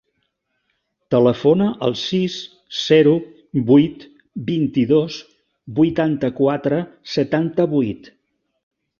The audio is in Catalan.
Telefona al sis, zero, vuit, vint-i-dos, vuitanta-quatre, setanta-vuit.